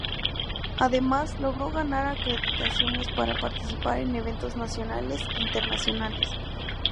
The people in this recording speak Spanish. Además, logró ganar acreditaciones para participar en eventos nacionales e internacionales.